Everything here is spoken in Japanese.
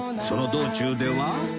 その道中では？